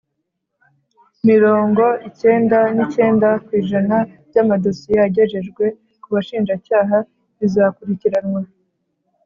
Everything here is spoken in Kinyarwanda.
mirongo icyenda n’icyenda ku ijana by’amadosiye yagejejwe ku bashinjacyaha bizakurikiranwa